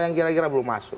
yang kira kira belum masuk